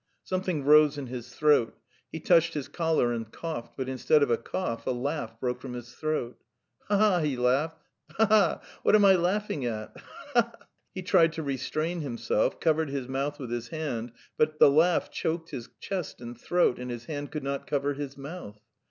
..." Something rose in his throat. He touched his collar and coughed, but instead of a cough a laugh broke from his throat. "Ha ha ha!" he laughed. "Ha ha ha! What am I laughing at? Ha ha ha!" He tried to restrain himself, covered his mouth with his hand, but the laugh choked his chest and throat, and his hand could not cover his mouth.